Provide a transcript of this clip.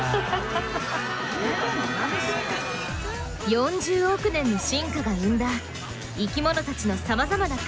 ４０億年の進化が生んだ生きものたちのさまざまな関係。